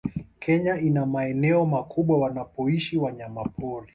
Kenya ina maeneo makubwa wanapoishi wanyamapori